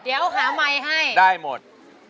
เดี๋ยวหาไมค์ให้ได้หมด